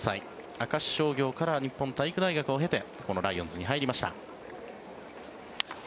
明石商業から日本体育大学を経てこのライオンズに入りました。